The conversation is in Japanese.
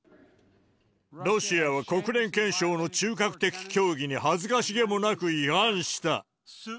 ロシアは国連憲章の中核的教義に、恥ずかしげもなく違反した。